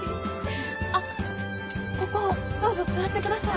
あっここどうぞ座ってください。